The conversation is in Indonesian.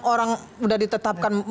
orang udah ditetapkan